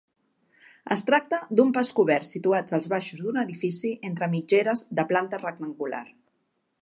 Es tracta d'un pas cobert situat als baixos d'un edifici entre mitgeres de planta rectangular.